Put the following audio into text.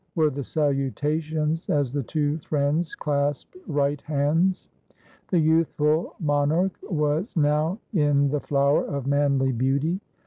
were the salutations as the two friends clasped right hands. The youthful monarch was now in the flower of manly beauty.